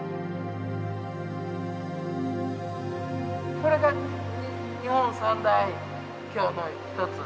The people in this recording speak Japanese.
これが日本三大峡の１つ。